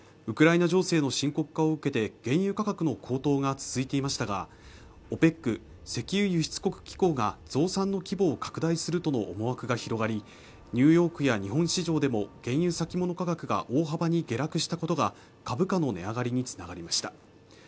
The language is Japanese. ウクライナ情勢の深刻化を受けて原油価格の高騰が続いていましたがＯＰＥＣ＝石油輸出国機構が増産の規模を拡大するとの思惑が広がりニューヨークや日本市場でも原油先物価格が大幅に下落したことが株価の値上がりにつながりました